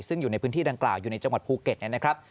ซึ่งอยู่ในพื้นที่ดังกล่าวอยู่ในจังหวัดภูเก็ตนะครับ